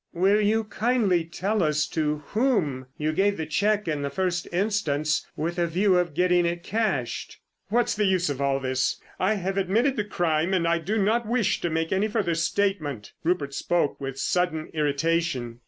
"Will you kindly tell us to whom you gave the cheque in the first instance with a view of getting it cashed?" "What's the use of all this? I have admitted the crime, and I do not wish to make any further statement." Rupert spoke with sudden irritation.